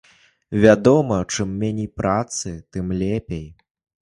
Вядома, чым меней працы, тым лепей.